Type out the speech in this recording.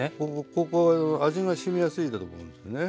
ここ味がしみやすいんだと思うんですね。